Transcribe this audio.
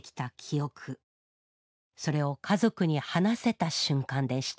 それを家族に話せた瞬間でした